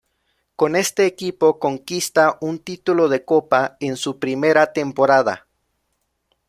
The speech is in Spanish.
Con este equipo conquista un título de Copa en su primera temporada.